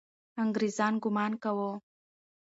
انګریزان ګمان کاوه.